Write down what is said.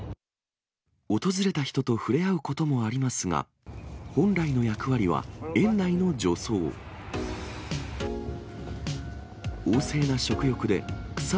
訪れた人と触れ合うこともありますが、本来の役割は園内の除草。